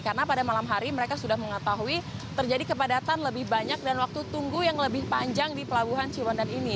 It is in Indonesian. karena pada malam hari mereka sudah mengetahui terjadi kepadatan lebih banyak dan waktu tunggu yang lebih panjang di pelabuhan cilwandan ini